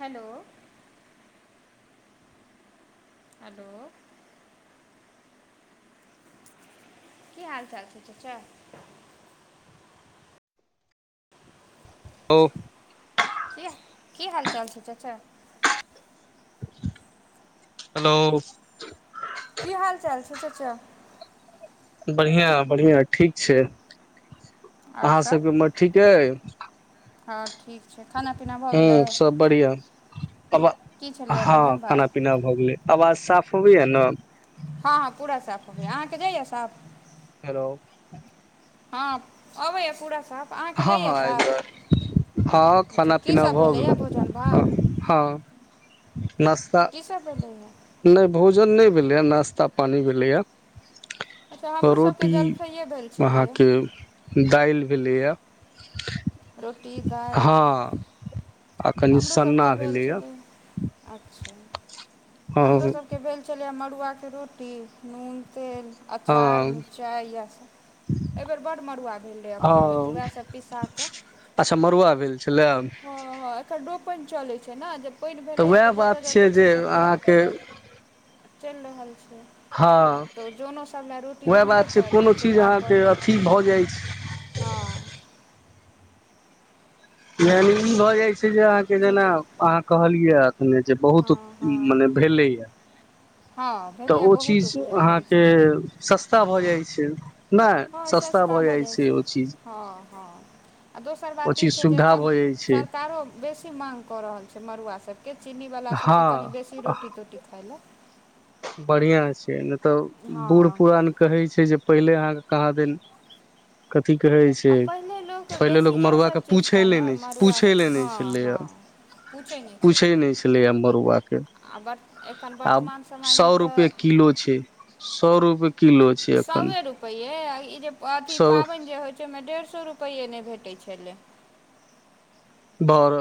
Hello hello की हालचाल छै तच ओ हे की हाल चाल छै चाचा हेलो की हाल चाल छै चाचा बढ़ियां बढ़ियां ठीक छै आओर अहाँ सब सबके उमहर ठीक य हँ ठीक छै खाना पीना भऽ गेलै ह सब बढ़िया आब की छलैए हँ भोजन खाना भात पीना भऽ गेलै आवाज साफ होबैएा ने हँ हँ पूरा साफ होबै अहाँके जाइयए साफ हेलो हँ अबैया पूरा साफ अहाँके हँ जाइया हँ आबि साफ रहल हँ अच्छा खाना पीना कीसभ भऽ भेलैए भोजन भात नस्ता की सब एलैए नहि भोजन नहि भेलैएा नाश्ता पानी भेलैएा अच्छा हमरो सभके रोटी जलखैए भेल छलैए अहाँके दालि भेलैए रोटी दालि हँ आ कनि हमरो सन्ना सबके भेल भेलैए छलै अच्छा हँ हमरो सबके भेल छलै मड़ुआके रोटी नून तेल हँ अचार मिरचाइ इएहसभ एहि बेेर बड मड़ुआ भेल रहै अपनेमे तऽ हँ उएहसभ पिसा कऽ अच्छा मरुआ भेल छै लेब हँ हँ एखन रोपेन चलै छै नऽ जे पानि भेलैए वएह तऽ बात जतऽ जतऽ छै जे सभटा अहाँके चलि रहल छै हँ तऽ जोनो सभ लए रोटी वएह बनबे बात छै करतै कोनो चीज अहाँके चूल्हापर अथी भऽ जाइ छै हँ यानि ई भऽ जाइ छै जे अहाँके जेना अहाँ कहलियै ने जे बहुत हँ हँ मने भेलैया हँ तऽ भेलैए ओ बहुत चीज उपजा भेल अहाँके छलै सस्ता भऽ जाइ छै नहि सस्ता भऽ जाइ छै ओ चीज हँ हँ आ दोसर ओ बात ई चीज छै जे सुविधा एखन भऽ जाइ छै सरकारो बेसी माँग कऽ रहल छै मड़ुआ सब के चीनीवला सभके हँ कनि बेसी रोटी तोटी खाय लए बढ़िआं छै नहि तऽ बूढ़ हँ पुरान कहै छै जे पहिले अहाँके कहाँ दिन कथिी कहै छै आ पहिले लोक पहिले बेसी लोक इएहसभ मड़ुआकेँ चीज खाय पूछय लए ने नहि छै मड़ुआ पूछय लए नहि हँ छलैए हँ पूछै न छै छै नहि छलैए मड़ुआके आ एखन वर्तमान सो रुपे किलो छै सौ रुपए किलो छै एखन सए रुपे ई जे अथ सौ पाबनि जे होइ बचमे डेढ़ सए रुपैये नहि भेटै छलै भर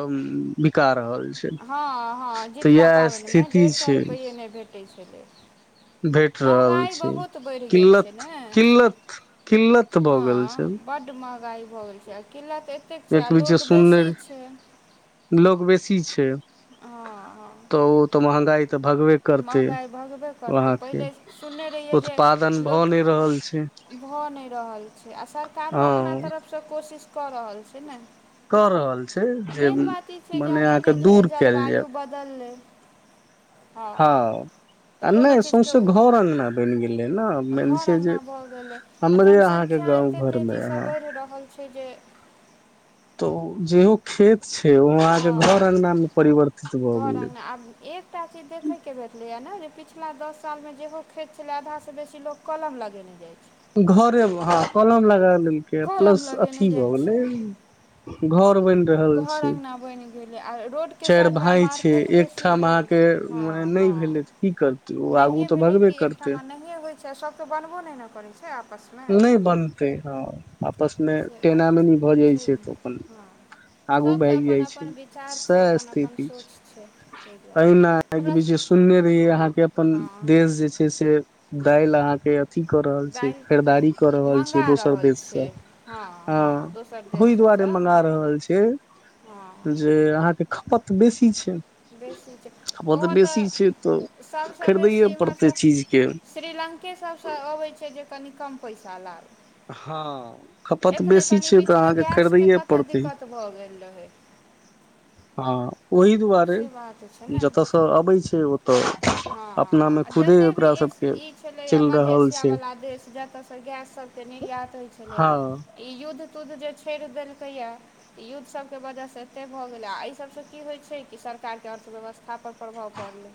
बिका रहल छै हँ हँ तऽ जितिया इएह पाबनिमे स्थिति डेढ़ सए छै रुपैे नहि भेटैत छलै भेट रहल महगाई छै बहुत बढ़ि गेल छै किल्लत ने किल्लत किल्लत भऽ हँ गेल छै बड्ड महँगाइ भऽ गेल छै आ किल्लत एतेक छै आ लोक बेसी छै लोकग बेसी छै हँ तऽ ओ तऽ महगाई तऽ भगबे करतै महगाइ भगबे करतै वहाँके पहिले सुनने रहियै जे उत्पादन भऽ लोक नहि रहल छै भऽ नहि रहल छै आ सरकारो अपना हँ तरफसँ कोशिश कऽ रहल छै ने कऽ रहल छै जे मेन बात ई छै जे मने आब अहाँके धीरे धीरे दूर कयल जाय जलवायु बदललै हँ तऽ आ कोनो नहि चीजके सौंसे घर अंगगना बनि गेलै ने मन छै जे भेलै आ हमरे अहाँके जनसंख्या गाँव एते घर मे तेजी सँ अहाँ बढ़ि रहल छै जे तऽ जेहो खेत छै ओ अहाँ के घर हँ अंगना मे परिवर्तित भए घर गेलै अङ्गना आब एक एकटा चीज देखयके भेटलैया ने जे पिछला दस सालमे जेहो खेइत छलै आधासँ बेसी लोको कलम लगेने जाइत छै घरे हँ कलम लगा लेलकै या कलम प्लस लगेने अथी जाइ भऽ गेलै छै घर बनि रहल घर छी अङ्गना बनि गेलै आ रोडके चारि साइडमे आब भाय छै मार्केट बेसी एकठाम भऽ गेलै अहाँके फ हँ नहि हँ भेलै तऽ की करतै ओ आगू तऽ भगबे करतै ब हो छै सबके बनबो नहि ने करै छै आपस नहि बनतै हँ आपसमे टेनामेनी भऽ जाइ छै तऽ अपन हँ आगू सभके भाग जाइ अपन छै अपन विचार स छै अपन अपन स्थिति सोच ताहि छै दुआरे एहिना एक हमरा बीचे सुनने रहियै अहाँके अपन हँ देश जे छै से दालल अहाँ के अथि कऽ रहल छै खरीदारी कऽ दालि रहल छै मँगा दोसर रहल देश से छै हँ अ हँ दोसर देश ओहि दुआरे सभसँ मंगा रहल छी जे हँ जे अहाँ के खपत बेसी छै बेसी छै खपत ओहो तऽ बेसी छै तऽ खरीदैए पड़तै चीजके श्रीलंके सभसँ अबैत छै जे कनि कम पैसा हँ लागल खपत एखने बेसी कनि छै तऽ बीचमे अहाँके गैसके खरीदैए कते पड़तै दिक्कत भऽ गेल रहै हँ ओहि दुआरे से बात छै ने जतयसँ अबै छै ओतय हँ अपनामे हँ खुदे जते भी ओकरा सबके ई छलैए चलि मध्य रहल एशिया छै वला देश जतयसँ गैससभ निर्यात होइत छलै हँ ई युद्ध तुद्ध जे छोड़ि देलकैया युद्धसभके वजहसँ एतेक भऽ गेलै आ एहि सभसँ की होइत छै कि सरकारके अर्थव्यवस्था कथा पर प्रभाव पड़लै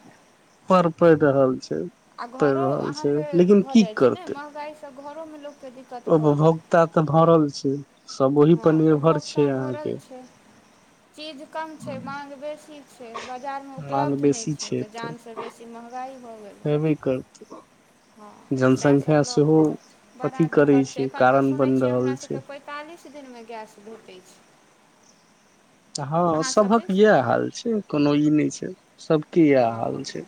पर पड़ि रहल छै आ पड़ि घरो रहल अहाँ छै लेकिन भऽ की जाइ छै ने करतै महगा तऽ घरो में लोक के देख दिककत भऽ गेल उपभोक्ता तऽ भरल छै सब ओहि हँ पर निर्भर छै उभोक्ता भरल अहाँके छै चीज कम छै मांग बेसी ठीक छै बजारमे उपलब्ध नहि छै तऽ जानसँ बेसी महगाइ भऽ गेल हेबे करतै हँ तऽ जनसंख्या सएहसभ लऽ सेहो कऽ तऽ बड़ा अथी करै दिक्कत छै एखन तऽ कारण सुनैत बनि छियै रहल हमरासकेँ छै पै पैंतालीस दिन मे गैस भेटै छै हँ अहाँसभ सभक दिस इएह हाल छै कोनो ई नहि छै सबके इएह हँ हाल छै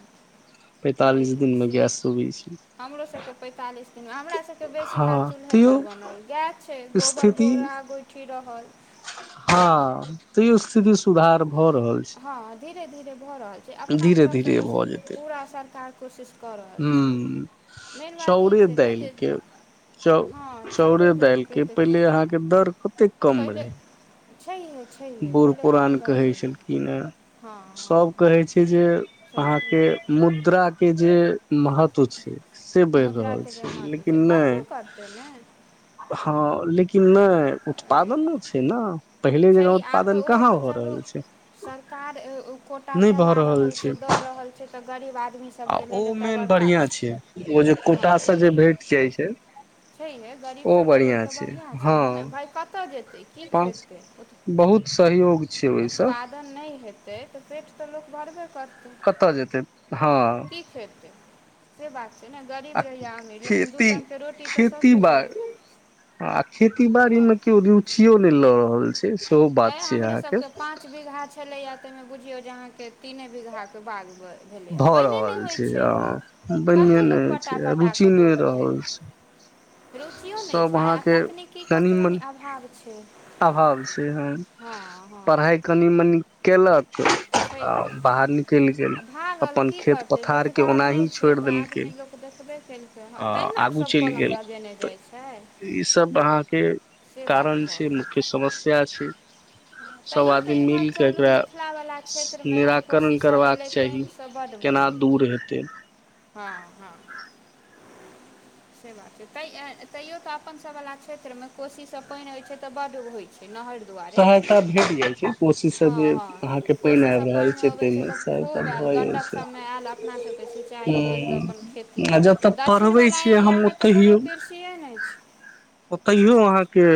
पैंतालिस दिन मे गेस शोबी हमरो सब के पैंतालिस दिन हमरा सब के बेसी हँ काल चूल्हे पर तैयो बनल गायस छै गोबर स्थिति गोरा गो रहल हँ तैयो स्थिति सुधार भऽ रहल छै हँ धीरे धीरे भऽ रहल छै अपना धीरे तरफ से तऽ पूरा सरकार कोशिश कऽ रहल छै हँ, मेन बात ई चउरे छै ने जे दाएलके। चाउरे दालिके पहिले अहाँके दर कतेक कम पहिले रहै? छैहे छैहे बूर पहिले कम पुरान दर कहै रहै छलखिन हे हँ सभ हँ कहै छै जे चलतै अहाँके मुद्राके जे महत्व छै। से बढ़ि रहल मुद्राके जे छै। महत्व छै लेकिन बढ़बे नहि करतै ने हँ, लेकिन नहि ओ तऽ अइ उत्पादन छै। ना पहिले जगह अहो, तऽ सरकारो कोटा चला रहल छै, दर दे रहल छै। रहल छै। तऽ गरीब आदमी आ सबके ओ लेल एकटा मेन बड़का बढ़िआँ छै, ओ जे हँ कोटामे जे भेट जाइ छै। छैहे गरीब ओ सभके लेल बढ़िया तऽ बढ़िआँ छै हँ ने, भाय, कतऽ जेतै, की पाँच खैतै ओ? बहुत सहयोग छै। ओहि से नहि हेतै तऽ पेट तऽ लोक भरबे करतै। कतऽ जेतै हँ की से बात छै ने, गरीब आ रहै या अमीर, दुइ खेती टाइमके रोटी। तऽ खेती सबके चाही बारी आ खेती बारी हँ मे केओ रुचियो ने ल रहल छै। सभ अऽ, हमरे सभके पाँच बीघा छलै, या तऽ ओहिमे बुझिऔ जे अहाँके तीन बीघा। बाढ़ि भेलैए, भऽ पानी नहि रहल होइत छै, कते लोक पटापटा कऽ बोरतै। बस रुचियो नहि छै आ तकनीकीके कऽ कनि कऽ मनि कनी अभाव छै। अभाव छै। हँ हँ हँ कनि मनि केलक। आ छैहे बाहर निकलि गेल, आ भागल अपन की खेत करतै पथारके रोजगार ओनाही छोड़ि देलकै। खेलै हँ, आ तहिना आगू सभ चलि कलम गेल लेने त जाइ छै। ई सभ अहाँके से कारण छै, मुख्य समस्या छै। [inaudible] सब तैँ आदमी तऽ एम्हर मिल के चलू एकरा मिथिलावला क्षेत्रमे निराकरण कोशीसभ एलै, पानिसँ बड्ड भेलै। त हँ हँ से बात छै, तैयो अपन सभवला क्षेत्रमे कोशीसँ पानि होइत छै तऽ बड्ड होइत छै नहर। सहायता भेट जाइत छै। कोशीसँ हँ जे हँ अहाँके पानि कोशीसँ आबि रहल छै, अबै तऽ ताहिमेसँ खूब आयल भऽ जाइ गण्डक छै। सभमे आयल अपना सभके सिंचाइ भेल तऽ अपन खेती हँ, आ भेल जतऽ पढ़बै दक्षिणवला छियै हम एरियामे तऽ ओतहि। कोनो कृषिए नहि छै ओतऽयो अहाँके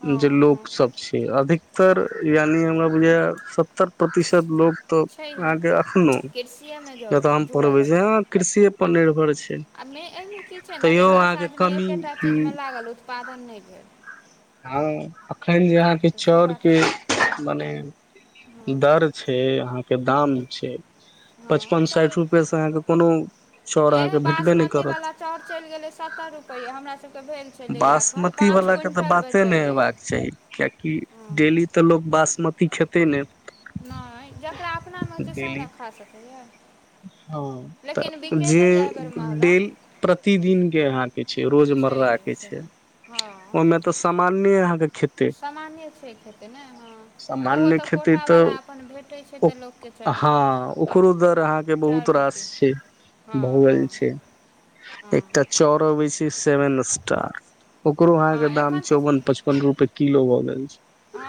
हँ जे हँ लोकसभ। से अधिकतर, यानि हमरा बुझाइमे सत्तर प्रतिशत लोक। तऽ छैहे अहाँके एखनहुँ कृषिएमे जतऽ जुड़ल हम जुड़ल पढ़बै जे छै हँ, कृषिएपर निर्भर छै। आ एहिमे की छै ने जे तैयो दस अहाँके आदमी कमी एकेटा चीजमे लागल, उत्पादन नहि भेल। हँ, एखन जे अहाँके तऽ से बात चौरके। छै मने दर छै, अहाँके दाम छै। [inaudible] हँ, पचपन चाउर, साठि रुपए से अहाँके कोनो चाउर ई अहाँके भेटबे नहि करत बासमतीवला चाउर चलि गेलै सत्तर रुपैया। होय, हमरा सभके भेल छलै एखन बासमती पाँच वाला के तऽ क्विंटल। बाते नहि हेबाक चाही, किएकि डेली तऽ लोक बासमती खैतै ने। नहि, जकरा अपना मे होइ छै, सएह डेली ने खा सकैए। हँ, लेकिन तऽ बिकेलैए जे एहिबेर महगा डेली प्रतिदिनके हाथ। के छै, रोजमर्राके छै। हँ। ओहिमे तऽ सामान्ये अहाँके खेतै सामाने छै [unintelligible] खेतै ने हँ ओहो सामान्य तऽ खेतै कोटा तऽ बला अपन भेटै छै तऽ लोक हँ ओकरो दर अहाँके चारि बहुत रास रोटी छै हँ भऽ गेल हँ गेल छै हँ एकटा चौर अबै छै सेवन स्टार ओकरो अहाँके हँ दाम एखन तऽ चौवन पचपन रुपैए किलो भऽ गेल छै आ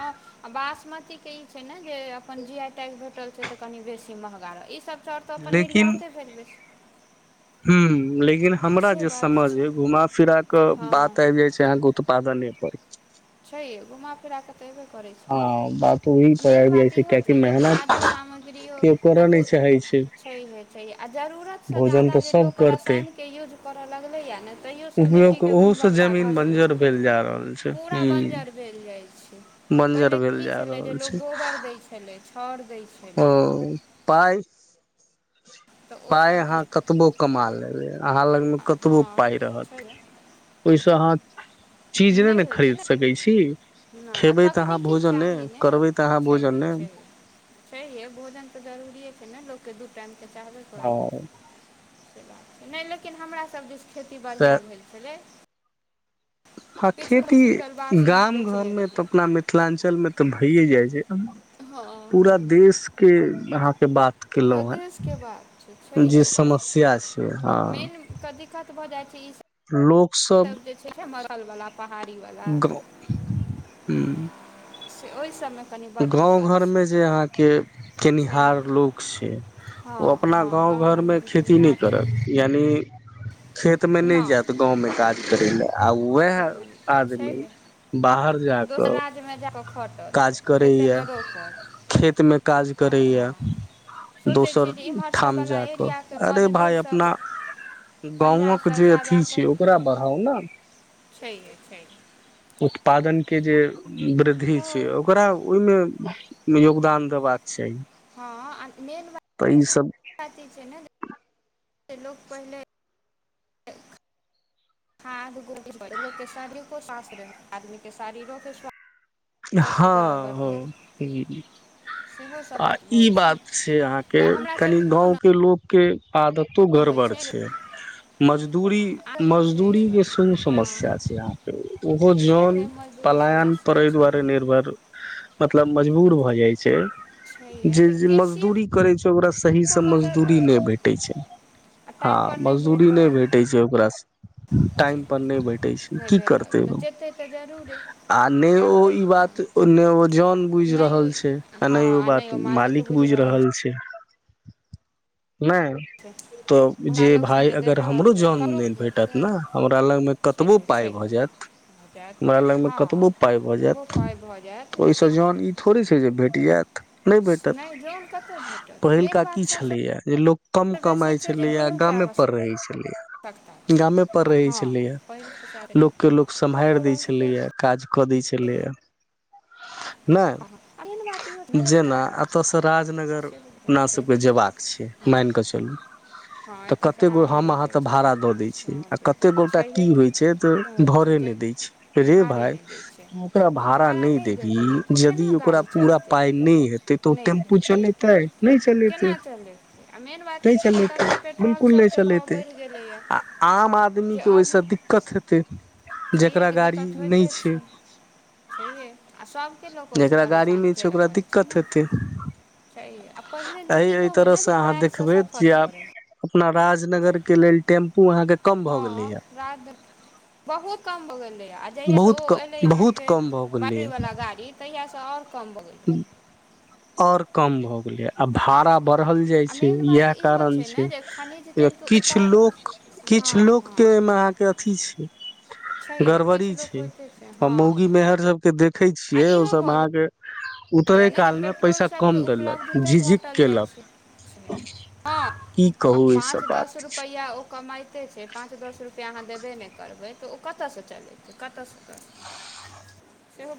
आ बासमती के ई छै ने जे अपन जी आई टैग भेटल छै तऽ कनि बेसी महँगा रह ई सब चौर तऽ छै अपन नीरियते भेजबै छी हूंम्म लेकिन हमरा जे समझ छै य घुमा फिरा के हँ बात आबि जाय छै अहाँकेत उत्पादने पर छैहे घुमा फिरा क छेबे करै हँ छिय बात ओहि आ पर मेन आबि जाइ बात इहो कियाकि छै जे मेहनत खादो सामग्रियो केओ आ करऽ द नहि चाहै छै छैहे छैहे आ जरूरतसँ भोजन ज्यादा तऽ जे सब लोक करतै रासायन के यूज करै लगले या ने तैयो से मिट्टी उपयोग के ओहो से गुणवत्ता घ जमीन बंजर भेल जा रहल छै पूरा ह बंजर भेल जाइत छै बंजर पहिले भेल की जा छलै जे रहल छै लोक गोबर दैत छलै छौर दै छै ओ पाई तऽ पाइ अहाँ ओसभके कतबो कमा लेबै अहाँ लगमे कतबो हँ पाइ छै रहत ओहिसँ अहाँ चीज नहि ने खरीद सकै छी नहि आ खेबै तऽ अहाँ तकनीकी भोजन चाही नहि ने करबै तऽ अहाँ भोजन छैहे नहि छैहे छैहे भोजन तऽ जरूरिये छै ने लोककेँ दू टाइम के चाहबे करी आ बात नहि लेकिन हमरासभ जे खेती तऽ बढ़िआँ भेल छेलै आ खेती क्विंटल बासमत गाम घर बेचने मे तऽ रहियै अपना मिथिलांचल मे तऽ भइये जाइ छै हँ पूरा हँ देश के अहाँके बात पूरा केलहु देशके बात छै हें जे छैहे समस्या छै हँ मेनके दिक्कत भऽ लोकसभ पहाड़ी बला गाँव घर मे जे अहाँके छै केनिहार छैहे लोक छै ओ हँ अपना हँ गाँव घरमे खेती नहि खेतिहर करत छै यानि खेतमे नहि जेत गाँवमे काज करै लए आ वएह खेतमे नहि छै आदमी गे बाहर जाकऽ दोसर राज्यमे जा कऽ खटत काज खेतेमे रोपत खेत मे काज हँ हँ करैये सोचै छियै दोसर जे इम्हर ठाम सभवला जा कऽ एरियाके अरे भाय मजदूरसभ अपना गाँवक पंजाबसभ जे जा जा अथी कऽ छै ओकरा बढ़ाउ ने छैहे छैहे उत्पादन के जे वृद्धि हो छै ओ ओकरा ओहिमे योगदान देबाक चाही हँ आ मेन बात त ई सब बात ई छै [unintelligible] ने जे लोक पहिले हाथ गोभी [unintelligible] के शरीर को स्वस्वास्थ्य रहै आदमी के शरीरो के स्वासथ हँ हँ हूंम्म सेहो सब आ बहुत भऽ ई जाइ बात ने छै अहाँके पर हमरा कनी सभके एखनो गाँवके लोक के आदतो ने होइ गड़बड़ छै हँ मजदूरी आदत तऽ छैहे मजदूरी गन के संग हँ समस्या छै अहाँ के ओहो जौन छैहे मजदूरी पलायन पर समस्या एहि दुआरे छैहे नै [unintelligible] मतलब मजबूर भऽ जाइ छै छैहे जे जे कृषिए मजदूरी करैत छै ओकरा कऽ सहीसँ कऽ मजदूरी तऽ नहि भेटैत छै आ हँ टाइमपर नहि मजदूरी नहि भेटल भेटै छै ओकरा सँ टाइम पर नहि भैटै छै नहि की भेटल करतै तऽ ओ जेतै तऽ जरूरे आ नहि ओ करतै ई केना बात ने ओ जन बुझ नहि ओ रहल छै आ ने ओ बात मालिक बुझ रहल छै नैय [inaudible] त हुनका जे लग छनि भाय अगर देबे हमरो करबै आ जन ककरो नहि भेटत छै न हमरा लगमे कतबो छैहे पाइ छैहे भ जायत भऽ जायत हमरा लग मे हँ कतबो पाइ भऽ ओहो जायत पाइ भऽ जायत लेकिन तहन ई थोड़े छै जे भेट जायत नहि भेटत नहि जौन कतय भेटत मेन पहिलका की बात सभसँ छलैया जे लोक कम बेसी कमाय छै जे छलैय दुनूके गामे पर रहै आवश्यकता छलैय गामे पर छै रहै हँ छलैय पहिल खसा देबै लोकके लोक सम्हारि दै छलैए काज कऽ दै छलैए एहन बात इहो नहि ने जे जेना कतेक एतऽसँ राजनगर से बुझाइत अपना छै सबके जेबाक छै हँ मानिकऽ चलू हँ तऽ एतय कते गो सरार हम नगर अहाँ जाइ ते छै भाड़ा तऽ दऽ दै घिये आ अबै कते गोटा की छैहे कि होइ छै तऽ कहै भरे नहि जे दै छै रे भाड़े भाय नहि दै छै तु ओकरा तू भाड़ा नहि तऽ देबही केना यदि ओकरा गाड़ी पूरा चलतै पाय नहि हेतै तऽ ओ नहि टेम्पू भेल तऽ चलेतै केना नहि केना चलेतै चलेतै आ मेन बात ई नहि छै जे चलेते ततेक पेट्रोल बिलकुल नहि सभके भाव चलेते बढ़ि गेलैए आ आम आदमी जे के आओर ओहिस नहि दिक्कत हेतै छैहे जकरा गाड़ी नहि छै छैये आ सभके लोक ओहिसँ जेकरा गाड़ी परेशानी नहि छै झेले ओकरा पड़ै छै दिक्कत ने हेतै त ए पहिनेे लोक एहि एहि इहो होय न तरहसँ जे अहाँ पैरसँ देखबै जे सफर आब करै अपना राजनगर के लेल टेम्पू अहाँके कम भऽ हँ गेलैए राज नगर बहुत कम भऽ गेलै जहिया से बहुत ओ एलै कम बहुत अहाँके कम भऽ बेट्री गेलैए वाला गाड़ी तहिया सँ और कम भ गेल आओर कम भऽ गेलै य आ हँ भाड़ा बढ़ल जाय आ छै मेन बात इएह इहो कारण छै ने जे खनिज जे तेलके किछ ऊपर लोक हँ किछु हँ लोकके एहिहिमे अहाँके अथी छै छैहे गड़बड़ी किछु लोक छै होइते छै आ हँ मौगी मेहर सबके देखे छियै ओ सब अहाँके बुझलियै उतरे ने जे काल मे पैसा पेट्रोलसभके कम देलक उपलब्धते झिझिक घटल जाइ केलक छै हँ की आ कहू ई पाँच सब दस बात रुपैया ओ कमा कतेक छै पाँच दस रुपैआ अहाँ देबे नहि करबै तऽ ओ कतऽ सँ चलेतै कतऽ सँ [inaudible]